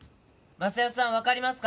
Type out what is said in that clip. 昌代さん分かりますか？